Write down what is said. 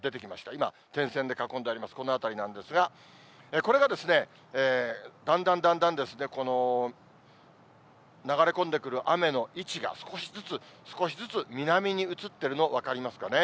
今、点線で囲んであります、この辺りなんですが、これがだんだんだんだん流れ込んでくる雨の位置が少しずつ、少しずつ南に移ってるの分かりますかね。